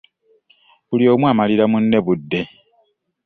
Buli omu amalira munne budde.